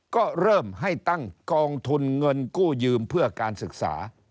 ก็เริ่มให้ตั้งกองทุนเงินกู้ยืมเพื่อการศึกษา